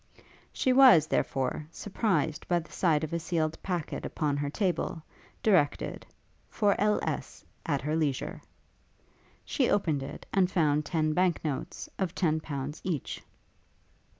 She was, there, surprised by the sight of a sealed packet upon her table, directed, 'For L.S. at her leisure.' She opened it, and found ten bank notes, of ten pounds each.